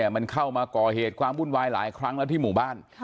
มันเข้ามาก่อเหตุความวุ่นวายหลายครั้งแล้วที่หมู่บ้าน